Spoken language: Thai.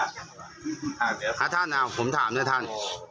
ถ้าท่านเอาผมถามเนี่ยท่าน